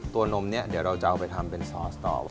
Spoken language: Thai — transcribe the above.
นมนี้เดี๋ยวเราจะเอาไปทำเป็นซอสตอบ